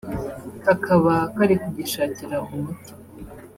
kakaba kari kugishakira umuti